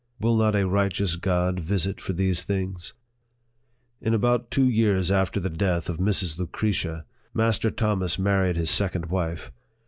Will not a right eous God visit for these things ? In about two years after the death of Mrs. Lucretia, Master Thomas married his second wife.